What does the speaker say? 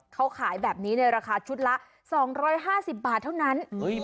เขาขายแบบนี้ในราคาชุดละ๒๕๐บาทเท่านั้น